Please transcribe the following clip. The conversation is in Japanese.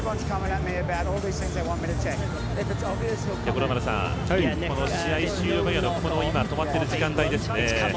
五郎丸さん、試合終了間際の止まっている時間帯ですね。